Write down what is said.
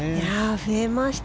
増えました。